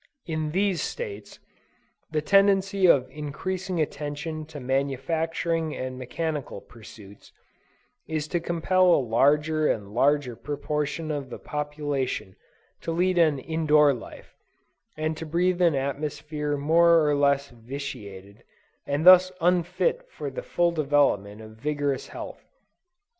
In these States, the tendency of increasing attention to manufacturing and mechanical pursuits, is to compel a larger and larger proportion of the population to lead an in door life, and to breathe an atmosphere more or less vitiated, and thus unfit for the full development of vigorous health.